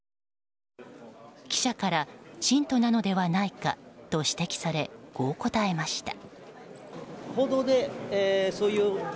記者から信徒なのではないかと指摘され、こう答えました。